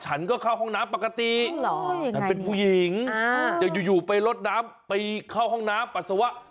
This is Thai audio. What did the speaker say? ฉันก็เข้าห้องน้ำปกติฉันเป็นผู้หญิงอยู่ไปลดน้ำไปเข้าห้องน้ำปัสสาวะ